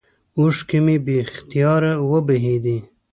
اوښکې مې بې اختياره وبهېدې.